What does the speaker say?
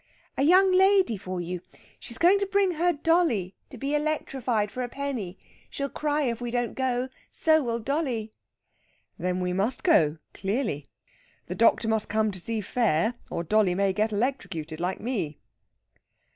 "A young lady for you! She's going to bring her dolly to be electrified for a penny. She'll cry if we don't go; so will dolly." "Then we must go, clearly. The doctor must come to see fair, or dolly may get electrocuted, like me."